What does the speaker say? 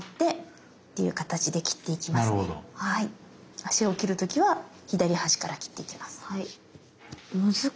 足を切る時は左端から切っていきます。